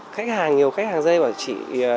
khi mà nhiều khách hàng dây bảo chị